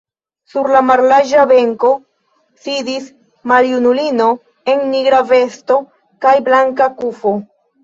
Sur la mallarĝa benko sidis maljunulino en nigra vesto kaj blanka kufo.